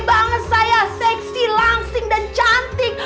banget saya seksi langsing dan cantik